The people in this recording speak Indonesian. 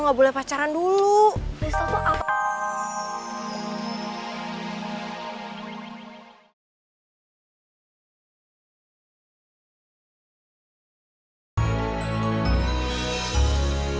aku jadi merinding deh